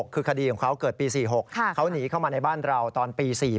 คือคดีของเขาเกิดปี๔๖เขาหนีเข้ามาในบ้านเราตอนปี๔